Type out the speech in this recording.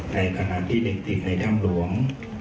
ในขณะที่เด็กติดในถ้ำหลวง